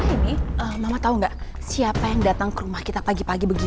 ini mama tau gak siapa yang datang ke rumah kita pagi pagi begitu